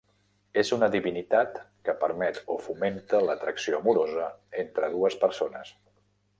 És una divinitat que permet o fomenta l'atracció amorosa entre dues persones.